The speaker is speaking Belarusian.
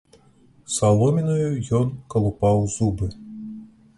Саломінаю ён калупаў зубы.